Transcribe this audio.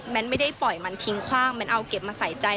แม่ก็ไม่ได้ปล่อยมันทิ้งขว้างแม่ก็เอาเก็บมาใส่ใจ